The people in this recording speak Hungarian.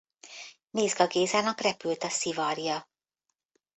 Mézga Gézának repült a szivarja.